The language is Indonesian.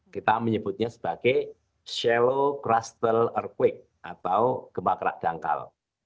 kita menyebutnya sebagai shallow crustal earthquake atau gempa kerak dangkal